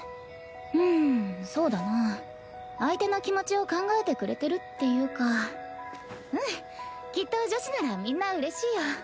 うんそうだな相手の気持ちを考えてくれてるっていうかうんきっと女子ならみんなうれしいよ。